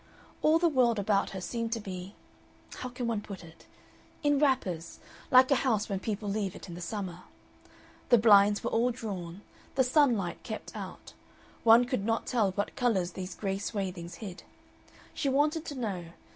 All the world about her seemed to be how can one put it? in wrappers, like a house when people leave it in the summer. The blinds were all drawn, the sunlight kept out, one could not tell what colors these gray swathings hid. She wanted to know.